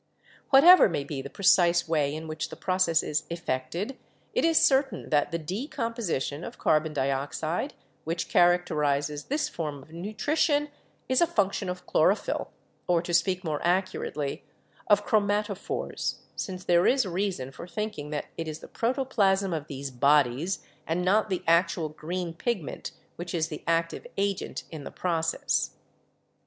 Whatever may be the precise way in which the process is effected, it is certain that the de composition of carbon dioxide which characterizes this form of nutrition is a function of chlorophyll, or to speak more accurately, of chromatophores, since there is reason for thinking that it is the protoplasm of these bodies, and not the actual green pigment, which is the active agent in the process.